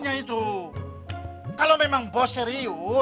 iya tetep rumit sekali